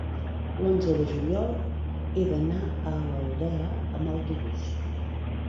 l'onze de juliol he d'anar a l'Aldea amb autobús.